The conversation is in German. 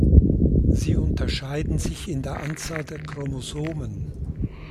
Sie unterscheiden sich in der Anzahl der Chromosomen.